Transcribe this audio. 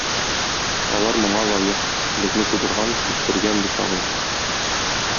Алар моңа лаек, безне тудырган, үстергән, ди шагыйрь.